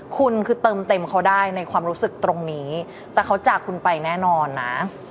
คุณคือเติมเต็มเขาได้ในความรู้สึกตรงนี้แต่เขาจากคุณไปแน่นอนนะ